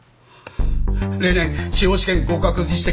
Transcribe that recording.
例年司法試験合格実績